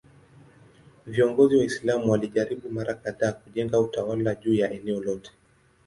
Viongozi Waislamu walijaribu mara kadhaa kujenga utawala juu ya eneo lote.